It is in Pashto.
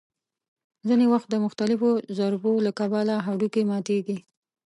ځینې وخت د مختلفو ضربو له کبله هډوکي ماتېږي.